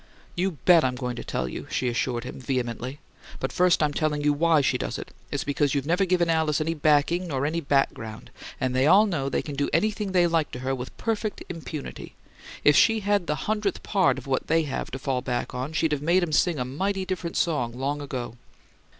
"You BET I'm going to tell you," she assured him, vehemently. "But first I'm telling WHY she does it. It's because you've never given Alice any backing nor any background, and they all know they can do anything they like to her with perfect impunity. If she had the hundredth part of what THEY have to fall back on she'd have made 'em sing a mighty different song long ago!"